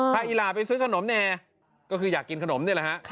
ถ้าอีราไปซื้อขนมแน่ก็คืออยากกินขนมนี่แหละฮะ